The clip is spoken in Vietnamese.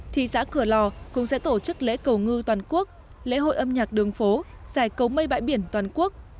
thị xã cửa lò cũng sẽ tổ chức lễ cầu ngư toàn quốc lễ hội âm nhạc đường phố giải cầu mây bãi biển toàn quốc